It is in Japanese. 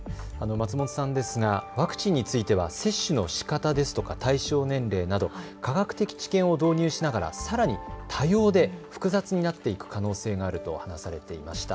松本さんですがワクチンについては接種のしかたですとか対象年齢など科学的知見を導入しながら、さらに多様で複雑になっていく可能性があると話されていました。